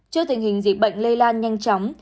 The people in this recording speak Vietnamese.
trước tình hình dịch bệnh lây lan nhanh chóng